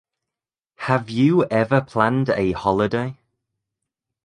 Have you ever planned a holiday?